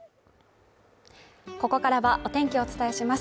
ここからはお天気をお伝えします。